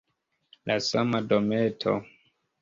La sama dometo!